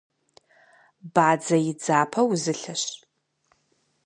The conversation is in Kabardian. Бадзэ и дзапэ узылъэщ.